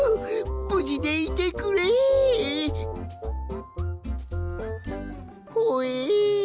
ぶじでいてくれ！ほえ！？